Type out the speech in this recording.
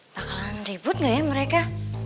bakalan ribut gak ya mereka